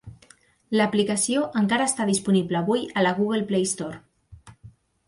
L'aplicació encara està disponible avui a la Google Play Store.